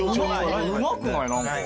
うまくない？何か。